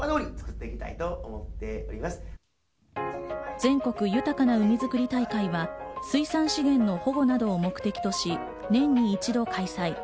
全国豊かな海づくり大会は水産資源の保護などを目的とし、年に一度開催。